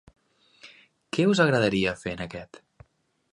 Què us agradaria fer en aquest.?